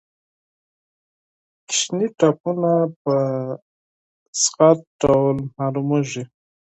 کوچني ټپونه په دقیق ډول معلومېږي.